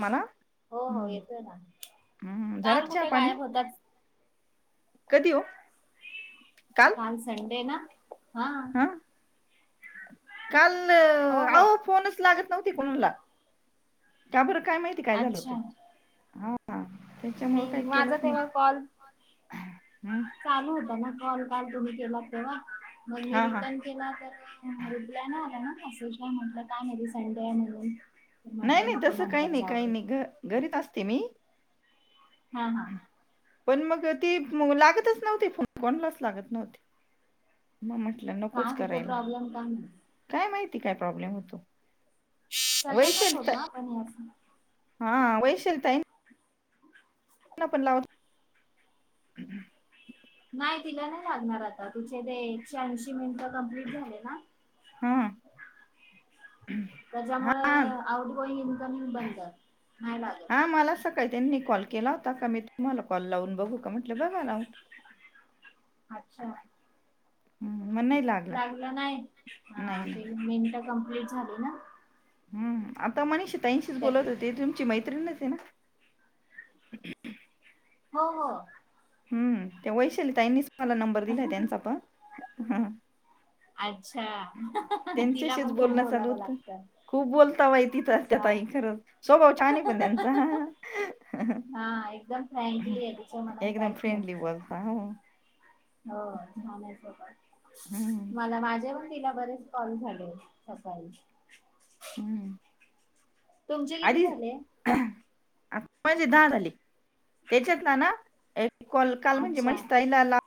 मला हो हो येतोय ना हम्म झाला काल का चहा कुठे पाणी गायब होतात. [unintelligible] कधी हो. काल संडे ना हा. काल हो हो अहो फोनच लागत नव्हते कोणला का बर काय माहिती काय झालं होत अच्छा होका. मी माझा तेव्हा कॉल हम्म चालू होता ना कॉल काल तुम्ही केला तेव्हा मग मी हा हा रिटर्न केला तर रिप्लाय नाही आला ना असं काय म्हटलं काय नाही बाई संडे आहे म्हणून. तर नाही म्हटलं नाही नको तस काही नंतर नाही जाऊ काही दे नाही घ घरीच असते मी. हा हा. पण मग ती लागतच नव्हते फोन कोणालाच लागत नव्हते मग म्हटलं काय नकोच होतो करायला प्रॉब्लेम काय माहित काय माहिती काय प्रॉब्लेम होतो. सगळ्यांनाच वैशालता होतो हां पण हे असं. हा वैशाली ताईं ना पण लाव नाही तिला नाही लागणार आता तिचे ते एकशे ऐंशी मिनिटं कमप्लीट झाले ना. हा [unintelligible] हा त्याच्यामुळं आउट गोइंग इन्कमिंग बंद. नाही हा लागत मलाच सकाळी त्यांनी कॉल केला होत का मी तुम्हाला कॉल लावून बघू का म्हटलं बघा लावून. अच्छा. हम्म. मग नाही लागला नाही हा नाही ते नाही मिनट कमप्लीट झाली ना. हम्म आता मनीष ताईंशीच त्याची बोलत होते तुमची मैत त्रिणच आहे ना. हो हो. हम्म ते वैशाली ताईंनीच मला नंबर दिलाय त्यांचा पण हं अच्छा तिला पण खूप बोलणं चालू बोलावं होतं लागतं. खूप बोलता बाय ती तर त्या हा ताई खरंच स्वभाव छान आहे पण त्यांचा हा हा एकदम फ्रँकली आहे तिच्या मनात एकदम काहीच फ्रेंडली नसतं बोलता. हो छानये हम्म स्वभाव मला माझे पण तिला बरेच कॉल झाले सकाळी. हम्म तुमचे किती आधी झाले? माझे दहा झाले त्याच्यात ना ना एक‌ कॉल काल म्हणजे अच्छा मनिषा ताईला ला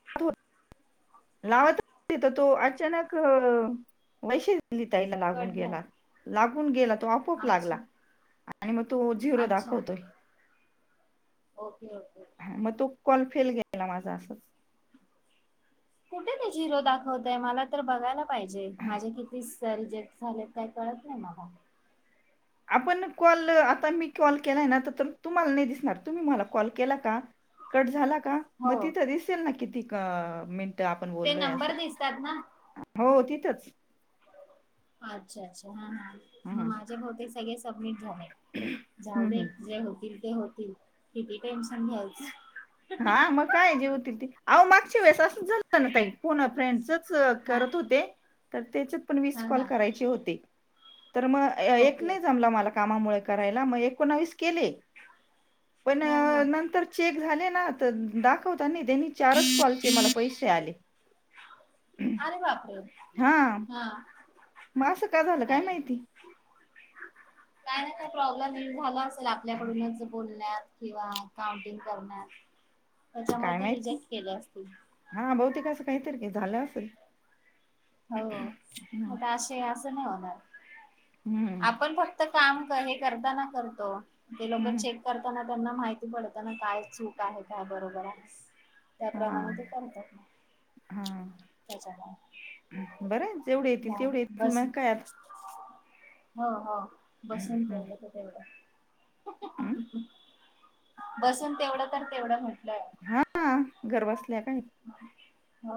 लावत होते तर तो अचानक वैशा लि ताईला कट लागून गेला झालं लागून गेला तो आपोआप लागला अच्छा आणि मग, तो झिरो अच्छा दाखवतोय. Okay okay. मग तो कॉल फेल गेला माझा असच. कुठे ते झिरो दाखवतंय मला तर बघायला पाहिजे माझे किती कॉल्स रिजेक्ट झालेत काय कळत नाही मला. आपण कॉल आता मी कॉल केलाय ना तर तुम्हाला नाही दिसणार. तुम्ही मला कॉल केला का? कट झाला का मग हो तिथं दिसेल ना किती अं मिन ट् तर आपण ते बोललोय नंबर असं दिसतात ना हो तिथंच अच्छा अच्छा! हा हा मग हं. माझे बहुतेक सगळे सबमिट झाले हं, जाऊ हं. दे जे होतील होतील किती टेन्शन घ्यायचं. हा मग काय जे होतील ते अहो मागच्या वेळेस असंच झालंत ना ताई फोन अ फ्रेंडचच हा करत होते तर त्याच्यात पण वीस हा कॉल हा करायचे होते. तर मग एक ओके नाही जमला मला कामामुळं करायला मग एकोणावीस केले. पण हा हा अ नंतर चेक झाले ना. दाखवता नाही त्यांनी चारच कॉलचे मला पैसे आले. आरे बापरे! हा मग असं का झालं? काय अरे माहिती. काय ना काय प्रॉब्लेम हे झाला असेल आपल्याकडूनच बोलण्यात किंवा काउंटिंग करण्यात त्याच्यामुळे काय ते माहिती रिजेक्ट केले असतील. हा बहुतेक असं काहीतरी क झालं असेल. हो हम्म म असे असं नाही होणार. हम्म आपण फक्त काम हे करताना करतो ते लोक हम्म. चेक करताना त्यांना माहिती पडत ना काय चूक आहे काय बरोबर आहे. त्याप्रमाणे ते हा करतात ना हा त्याच्या बरं आहे, जेवढे येतील तेवढे येतील बस मग काय आता हो हो हम्म बसून पलं तर तेवढं. हम्म. [inaudible] बसून तेवढं तर तेवढं म्हटलंय हा घर बसल्या काय हो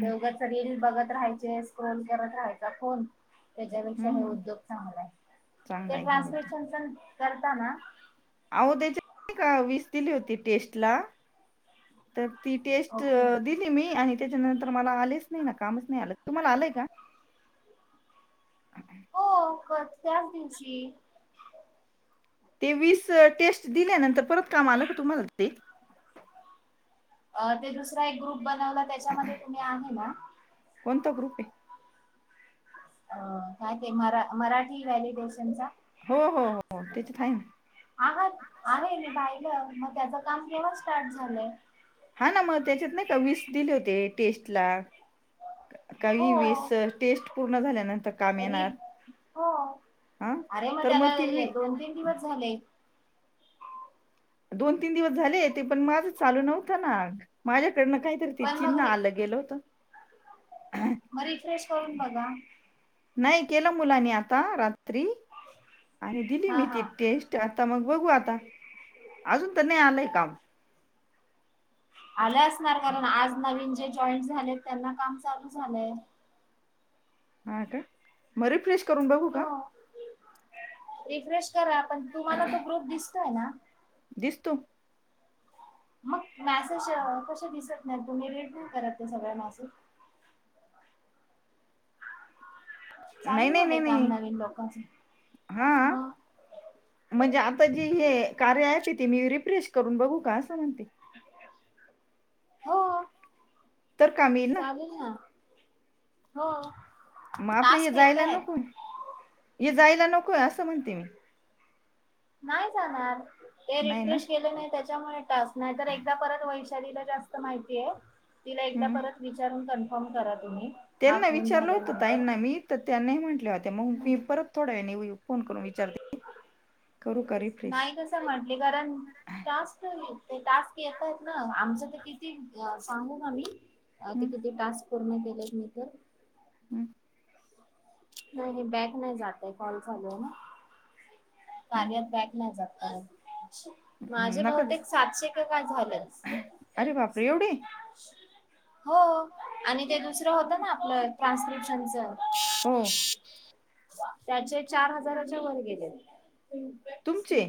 ते उघंचच रील बघत राहायचे स्क्रोल करत राहायचा फोन त्याच्यापेक्षा हे हम्म उद्योग चांगला आहे चांगला ते आहे हा होता ट्रान्स्क्रिप्शन च करता ना? अहो त्या्याच्या का वीस दिली होती टेस्ट ला तर ती टेस्ट ओके दिली मी आणि त्याच्या नंतर मला आलेच नाही ना कामच नाही आलं तुम्हाला आलंय का? हो त्याच दिवशी. ते वीस टेस्ट दिल्यानंतर परत काम आलं का तुम्हाला ते. अ ते दुसरा एक ग्रुप बनवला त्याच्यामध्ये तुम्ही आहे ना? कोणता ग्रुपे? काय ते म मराठी व्हॅलिडेशनचा. हो हो हो त्याच्यात आहे ना आहात आहे मी पाहिलं मग त्याचं काम केव्हा स्टार्ट झालंय. हा ना मग त्याच्यात ना का वस दिले होते टेस्टला काही हो वीस टेस्ट पूर्ण झाल्यानंतर काम येणार. रीप हो हा अरे मग तर ती त्याला वी- दोन तीन दिवस झाले. दोन तीन दिवस झाले ते पण माझ चालू नव्हतं ना माझ्या डं कायतरी ते पण मग चिन्ह आलं गेलं होतं. म रिफ्रेश करून बघा. नाही केलं मुलांनी आता रात्री आणि दिली हा मी ती हा टेस्ट आ मग बघू आता अजून तर नाही आलंय काम. आलं असणार कारण आज नवीन जे जॉईंट झाले त्यांना काम चालू झालंय. हा का मग रिफनिश करून बघू का हो रिफ्रेश करा पण तुम्हाला तो ग्रुप दिसतोय ना. दिसतो. मग मॅसेज कसे दिसत नाही तुम्ही रीड नाही करत ते सगळ मॅसेज. [unintelligible] नाही चालू नाही होते नाही काम नाही नवीन लोकांच. हा हा मग म्हणजे आता जी हे कार्य आहे पि ती मी रिप्रेस् करून बघू काय असं म्हणते. हो तर काम येईल चालेल ना. हो. मग आपल्या हे टास्क येत जायला आहेत नको जायला नकोय असं म्हणते मी. नाही जाणार ते नाही ना रिफ्रेश केलं नाही त्याच्या त्यामुळे टास्क नाही तर एकदा परत वैशालीला जास्त माहितीय तिला एकदा हम्म परत विचारून कन्फर्म करा. तुम्ही हा त्यांना फोन विचारलं होत झाल्यानंतर ताईना मी त त्यांनी म्हटल्या होते मग मी परत थोड्या फोन करून विचारते. करू का नाही रिफ्रेश कसं म्हटले कारण टास्क ते टास्क येत आहेत ना आमचं ते किती सांगू आम्ही ते किती टास्क पूर्ण केलंत मी तर हम्म. नाही बॅक नाही जात हाय कॉल चालू आहे ना, कार्यात बॅक नाही जात आहे [unintelligible] माझे नकाच बहुतेक सातशे की काय झालेच अरे बापरे एवढे [unintelligible] हो आणि ते दुसरं होत ना, आपलं ट्रान्स्क्रिप्शनच [unintelligible] हो त्याचे चार हजाराच्या वर गेलेत तुमचे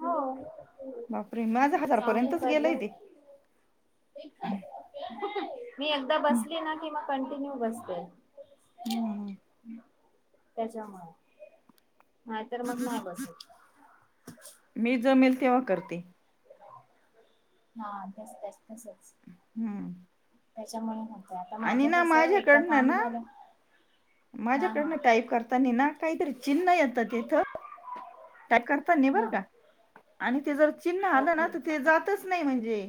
हो. बापरे माझ सांगू हजारपर्यंतच काय गेलंय तर ते. मी एकदा हम्म, बसली ना, कि म कंटिन्यू बसते ह. त्याच्यामुळे नाही तर मग नाही बसत. मी जमेल तेव्हा करते. हा तेच तेच तसं हम्म. त्याच्यामुळे ना, आणि ना, माझ्याकडनं ना, हा हा. माझ्याकडनं टाईप करता नि ना, काहीतरी चिन्ह, येतं तिथं त्या करतांनी हा बरं का आणि ते जर चिन्ह आलं ना, ओके. तिथ जातच नाही म्हणजे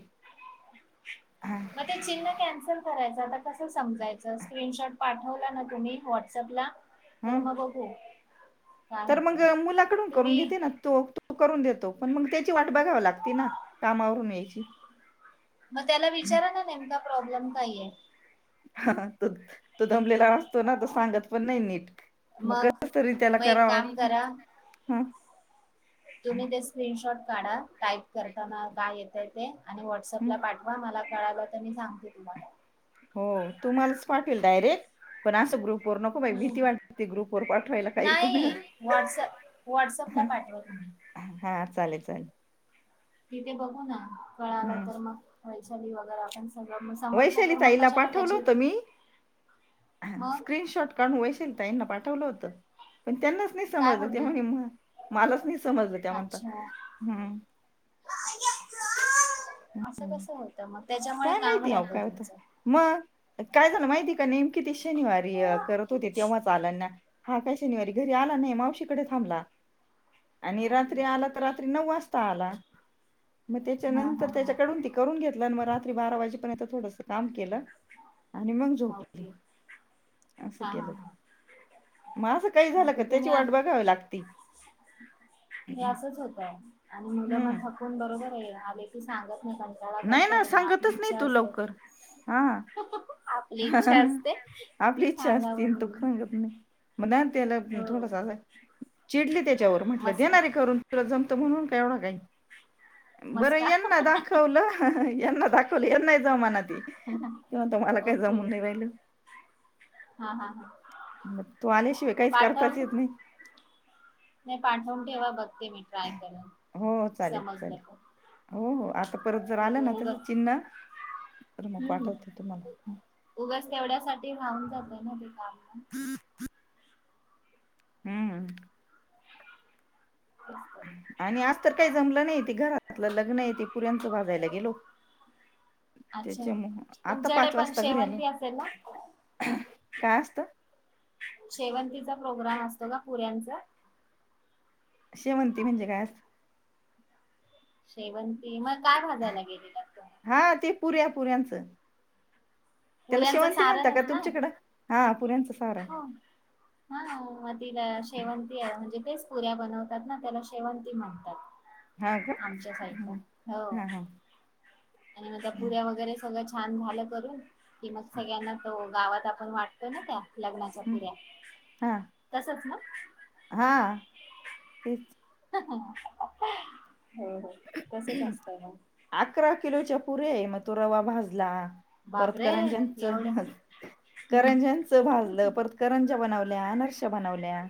मग ते चिन्ह, कॅन्सल करायचं आता कसं समजायचं स्क्रीनशॉट पाठवला ना, तुम्ही व्हॉट्सअपला तर हं म बघू काय तर होतंय. मग मुलाकडून करून तुम्ही घेते ना, तो तो तो करून देतो पण मग त्याची वाट बघावी लागती ना, कामावरून यायची मग त्याला विचारा ना, नेमका प्रॉब्लेम काही आहे. हा तु तु दम दमलेला असतो ना, सांगत पण नाही नीट मग कस तरी त्याला मग एक कराव काम करा हम तुम्ही ते स्क्रीनशॉट काढा टाईप करताना काय येतय ते आणि व्हॉटअपला पाठवा मला कळालं तर मी सांगते तुम्हाला हो तुम्हालाच पाठवेल डायरेक्ट पण असं ग्रुप वर नको बाई हम्म. भीती वाटते ग्रुप वर पाठवायला काही पण नाही व्हॉट्सअप व्हॉट्सअपला ह पाठवा तुम्ही. हा चालेल चालेल तिथे बघू ना कळाला हम्म तर मग वैशाली वगैरे आपण समजलं वैशाली तर मग कशाला त्याची हा मग स्क्रीनशॉट काढून वैशाली ताईंना पाठवलं होत पण त्यांनाच नाही काय समजत बोलली तेव्हा मलाच नाही समजलं त्या म्हणत हम्म अ [unintelligible] असं कसं होतं मग काय काम माहिती अव राहतय काय होत तुमचं मग काय झालं माहिती का नेमकी शनिवारी करत होती तेव्हाच आला हा काही शनिवारी घरी आला नाही मावशीकडे थांबला आणि ओके रात्री आला तर रात्री नऊ वाजता आला मग त्याच्या हा नंतर हा हा त्याच्याकडून ते करून घेतल म रात रात्री बारा वाजेपर्यंत थोडस काम केलं आणि मग झोपली ओके असं हा हा केलं हा मग असं काही झालं नाही का तर त्याची तुम्ही आ- वाट बघावी लागती हे असंच होतय आणि मुलं मग हम्म थकून बरोबर याला सांगत नाही कणटला नाही ना करतात आणि आपली सांगतच नाही इच्छा तू असते लवकर आपली हा इच्छा असते की आपली इच्छा असती सांगावं दुः म्हणून सांगत नाही म त्याला हो थोडासा चिडली त्याच्यावर म्हटलं मस्का देणारे करून तुला ज म्हणून का एवढं काही बरं मस्का येल ना दाखवलं यांना दाखवलं यांना जामाना ती त मला काही जाऊन ओके नाही राहिल हा हा हा मग तू आल्याशिवाय काहीच पाठवून करताच येत नाही नाही पाठवून ठेवा बघते मी ट्राय कर हो हो चालेल समजलं चालेल हो हो आता परत जर आलं ना उग त्याच उगच चिन्ह तर मग हम्म पाठवते तुम्हाला उगस तेवढ्या सा लाऊन जातय ना ते काम हम्म तेच तर. आणि आज तर काही जमलं नाही त घरातलं लग्न य ते पुऱ्यांच वाजायला गेलो अच्छा त्याच्यामु आता तुमच्याकडे पाच पण वाजता घरी आलं शेवंती असेल ना काय असत शेवंतीचा प्रोग्राम असतो का पुऱ्यांचा शेवंती म्हणजे कायस शेवंती मग काय भाजायला गेलेलातु हा ते पुऱ्या पुऱ्यांचं त्याला पुऱ्यांचं शेवंती म्हणता का सारणच ना तुमच्याकडं हा पुऱ्यांचं सारण हो म तिला शेवंती म्हणजे तेच पुऱ्या बनवतात ना त्याला शेवंती हा का म्हणतात आमच्या साई हो हं, हा हा आणि म पुड्या वगैरे सगळ छान झालं करून कि मग सगळ्यांना तो गावात आपण वाटतोय ना त्या लग्नाच्या हं, पुऱ्या हा तसच ना ते ह अकरा किलोच्या पुरे आहे मग तो रवा भाजला बापरे परतकरंज्यांच एवढं हम्म करंजांच भाजलं परतकरंजा बनवलं आणि अनारसे बनवल्या.